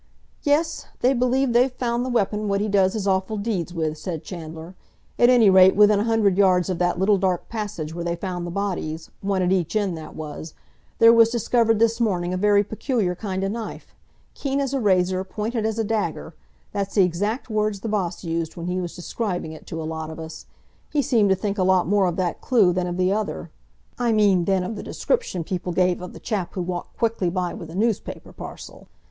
"Yes. They believe they've found the weapon what he does his awful deeds with," said Chandler. "At any rate, within a hundred yards of that little dark passage where they found the bodies—one at each end, that was—there was discovered this morning a very peculiar kind o' knife—'keen as a razor, pointed as a dagger'—that's the exact words the boss used when he was describing it to a lot of us. He seemed to think a lot more of that clue than of the other—I mean than of the description people gave of the chap who walked quickly by with a newspaper parcel.